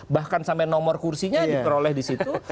bahkan sampai nomor kursinya diperoleh disitu